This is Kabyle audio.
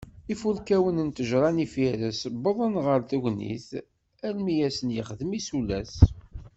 Ifurkawen n tejjṛa n yifires wwḍen-d ɣar tegnit, almi i asen-yexdem isulas.